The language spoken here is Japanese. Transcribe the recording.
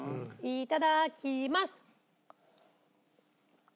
いただきますっ！